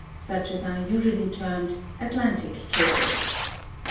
45), such as are usually termed "Atlantic cables."